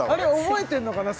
覚えてんのかな